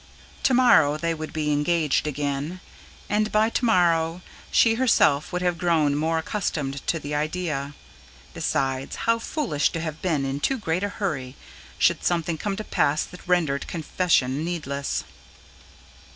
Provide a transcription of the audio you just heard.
To morrow they would be engaged again; and, by to morrow, she herself would have grown more accustomed to the idea. Besides, how foolish to have been in too great a hurry, should something come to pass that rendered confession needless.